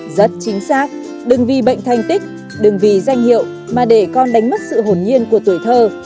rất chính xác đừng vì bệnh thanh tích đừng vì danh hiệu mà để con đánh mất sự hồn nhiên của tuổi thơ